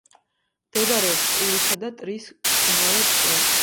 მდებარეობს ტურისა და ტრის მყინვარებს შორის.